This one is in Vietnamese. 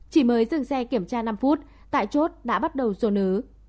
chỉ mới dừng xe kiểm tra năm phút tại chốt đã bắt đầu dồn ứ